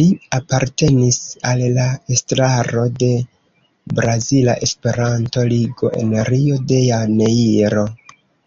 Li apartenis al la estraro de Brazila Esperanto-Ligo, en Rio de Janeiro.